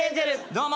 どうも！